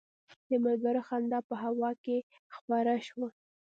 د ملګرو خندا په هوا کې خپره شوه.